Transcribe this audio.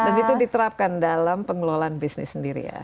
dan itu diterapkan dalam pengelolaan bisnis sendiri ya